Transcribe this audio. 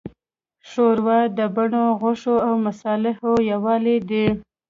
ښوروا د بڼو، غوښو، او مصالحو یووالی دی.